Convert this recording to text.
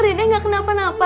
dedeh gak kenapa napa